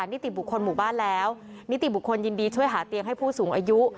นิติบุคคลหมู่บ้านแล้วนิติบุคคลยินดีช่วยหาเตียงให้ผู้สูงอายุ